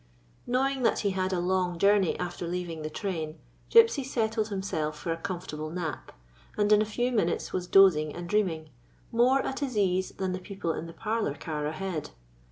Knowing that he had a long journey after leaving the train, Gypsy settled himself for a comfortable nap ; and in a few minutes was dozing and dreaming, more at his ease than the people in the parlor car ahead.